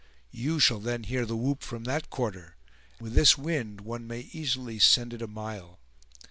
You shall then hear the whoop from that quarter; with this wind one may easily send it a mile.